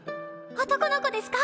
男の子ですか？